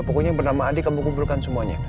pokoknya yang bernama adik kamu kumpulkan semuanya